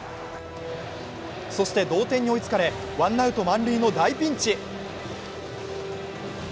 そして同点に追いつかれワンアウト満塁の大ピンチ。